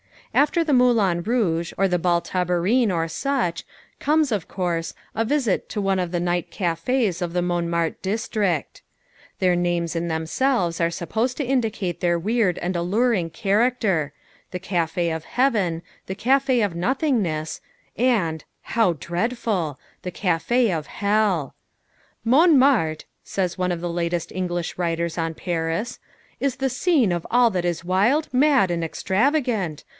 After the Moulin Rouge or the Bal Tabarin or such, comes, of course, a visit to one of the night cafés of the Montmartre district. Their names in themselves are supposed to indicate their weird and alluring character the Café of Heaven, the Café of Nothingness, and, how dreadful the Café of Hell. "Montmartre," says one of the latest English writers on Paris, "is the scene of all that is wild, mad, and extravagant.